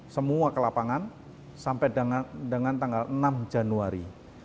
semua ke lapangan sampai dengan tanggal enam januari